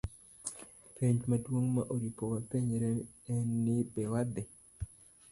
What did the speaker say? Penjo maduong' ma oripo wapenjre en ni be wadhi